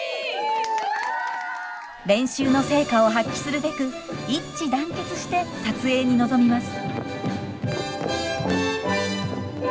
練習の成果を発揮するべく一致団結して撮影に臨みます。